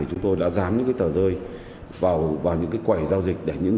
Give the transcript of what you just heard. chúng tôi đã dán những tờ rơi vào những quầy giao dịch